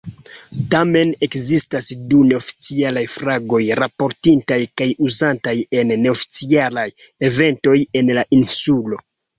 Tamen, ekzistas du neoficialaj flagoj raportitaj kaj uzataj en neoficialaj eventoj en la insulo.